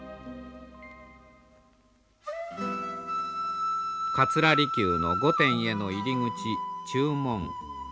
桂離宮の御殿への入り口中門。